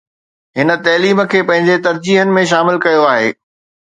هن تعليم کي پنهنجي ترجيحن ۾ شامل ڪيو آهي.